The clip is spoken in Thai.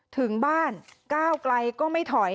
ถึงบ้านก้าวไกลก็ไม่ถอย